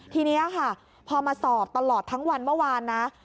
ทีนี้ค่ะพอมาสอบตลอดทั้งวันเมื่อวานนะ